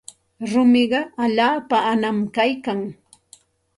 Rumiqa allaapa anam kaykan.